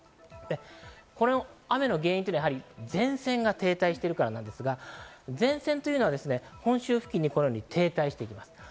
この雨の原因は前線が停滞しているからなんですが、前線が本州付近に停滞しています。